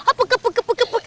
apuk apuk apuk apuk